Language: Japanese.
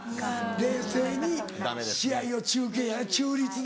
冷静に試合を中継中立で。